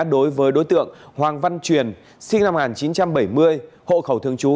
đối với đối tượng hoàng văn truyền sinh năm một nghìn chín trăm bảy mươi hộ khẩu thương chú